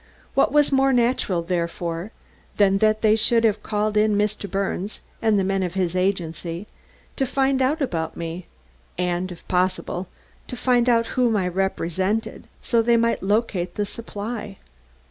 What was more natural, therefore, than that they should have called in Mr. Birnes, and the men of his agency, to find out about me, and, if possible, to find out whom I represented, so they might locate the supply?